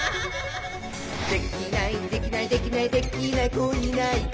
「できないできないできないできない子いないか」